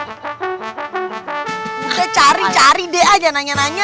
saya cari cari deh aja nanya nanya